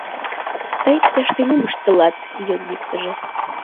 — Тый тыште мом ыштылат? — йодо иктыже.